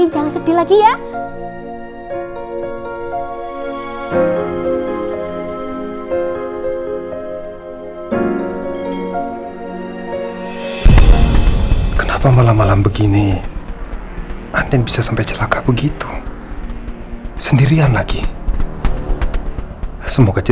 jadi mbak andi jangan sedih lagi ya